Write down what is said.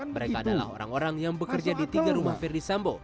mereka adalah orang orang yang bekerja di tiga rumah verdi sambo